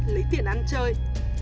lấy tiền ăn chơi